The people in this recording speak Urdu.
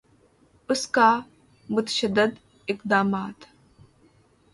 اس کا متشدد اقدامات